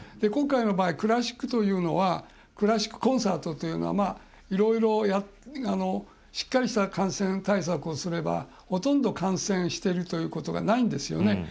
今回の場合クラシックコンサートというのはいろいろ、しっかりした感染対策をすればほとんど感染しているということがないんですよね。